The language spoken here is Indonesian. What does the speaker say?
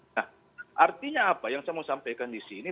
nah artinya apa yang saya mau sampaikan di sini